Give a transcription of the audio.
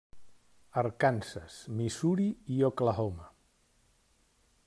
Arkansas, Missouri i Oklahoma.